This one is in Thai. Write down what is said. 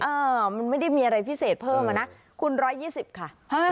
เออมันไม่ได้มีอะไรพิเศษเพิ่มอะนะคุณ๑๒๐ค่ะ